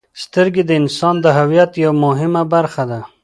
• سترګې د انسان د هویت یوه مهمه برخه ده.